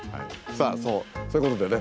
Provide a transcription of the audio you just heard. さあそうそういうことでね